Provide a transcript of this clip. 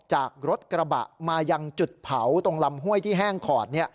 จากรถกระบะมายังจุดเผาตรงลำห้วยที่แห้งขอด